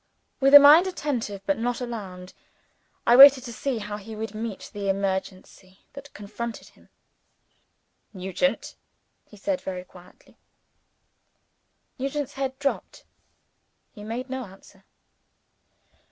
With a mind attentive but not alarmed, I waited to see how he would meet the emergency that confronted him. "Nugent!" he said, very quietly. Nugent's head drooped he made no answer.